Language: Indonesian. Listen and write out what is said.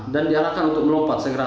dan diarahkan untuk melompat segera